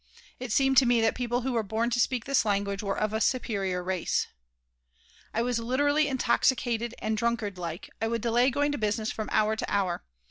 It seemed to me that people who were born to speak this language were of a superior race I was literally intoxicated, and, drunkard like, I would delay going to business from hour to hour.